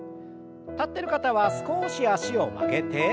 立ってる方は少し脚を曲げて。